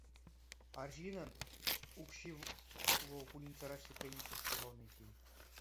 Арҫыннӑн укҫи вӑл пульницӑра сипленнӗ чух ҫухалнӑ иккен.